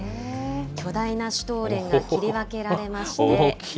巨大なシュトーレンが切り分けられまして。